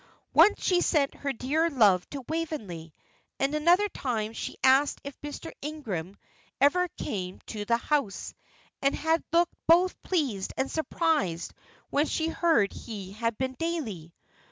Once she sent her dear love to Waveney. And another time she asked if Mr. Ingram ever came to the house, and had looked both pleased and surprised when she heard he had been daily.